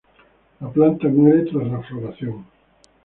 La planta muere tras la floración.